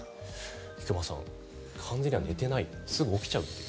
菊間さん、完全には寝ていないすぐ起きちゃうという。